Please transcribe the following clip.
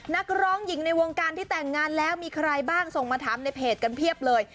นักร้องหญิงในวงการที่แต่งงานแล้วมีใครบ้างส่งมาถามในเพจกันเพียบเลย